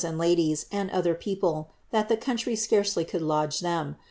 d ladies, and other paopfc, AM tlie country scarcely could louge tnem.